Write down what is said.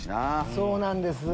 そうなんです。